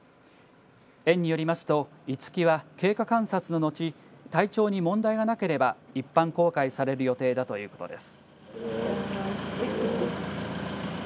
園によりますとイツキは経過観察の後体調に問題がなければ一般公開される予定だということです。